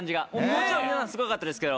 もちろん皆さんすごかったけど。